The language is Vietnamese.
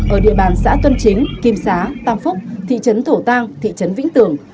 ở địa bàn xã tuân chính kim xá tam phúc thị trấn thổ tăng thị trấn vĩnh tường